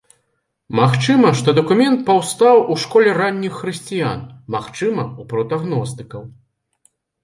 Магчыма, што дакумент паўстаў у школе ранніх хрысціян, магчыма ў прота-гностыкаў.